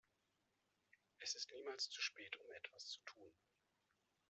Es ist niemals zu spät, um etwas zu tun.